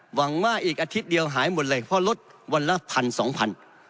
หวังว่าอีกอาทิตย์เดียวหายหมดเลยเพราะลดวันละพันสองพัน